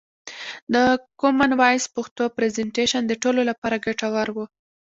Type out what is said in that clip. د کومن وایس پښتو پرزنټیشن د ټولو لپاره ګټور و.